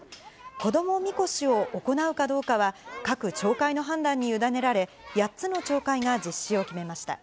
子どもみこしを行うかどうかは、各町会の判断に委ねられ、８つの町会が実施を決めました。